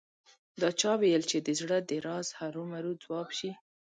دا چا ویل چې د زړه د راز هرو مرو ځواب شي